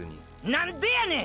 何でやねん！